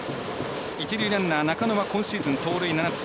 一塁ランナー、中野は今シーズン盗塁７つ。